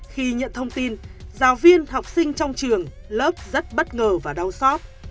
khi nhận thông tin giáo viên học sinh trong trường lớp rất bất ngờ và đau xót